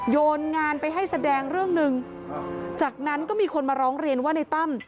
โยนงานไปให้แสดงเรื่องหนึ่งจากนั้นก็มีคนมาร้องเรียนว่าในตั้ม